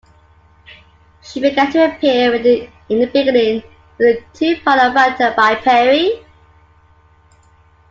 She began to appear in the beginning with the two-part "Avatar" by Perry.